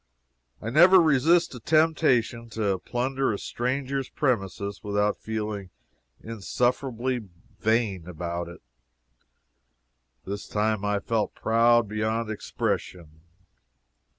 I never resist a temptation to plunder a stranger's premises without feeling insufferably vain about it. This time I felt proud beyond expression.